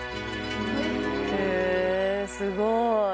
へえすごい。